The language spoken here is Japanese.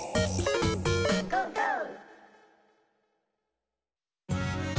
「ゴーゴー」